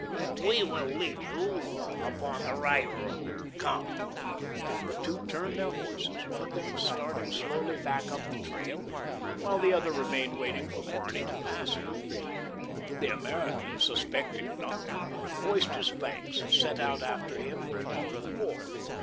"We will lead you upon the right road. Come," and the two turned their horses, one of them starting slowly back up the trail while the other remained waiting for Barney to pass him. The American, suspecting nothing, voiced his thanks, and set out after him who had gone before.